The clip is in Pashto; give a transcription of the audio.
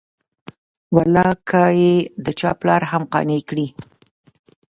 والله که یې د چا پلار هم قانع کړي.